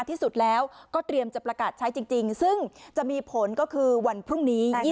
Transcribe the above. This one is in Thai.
ที่สุดแล้วก็เตรียมจะประกาศใช้จริงซึ่งจะมีผลก็คือวันพรุ่งนี้